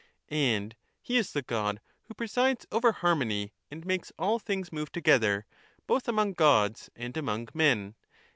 And he is the God who presides over harmony, and makes Cratyius. all things move together, both among Gods and among men.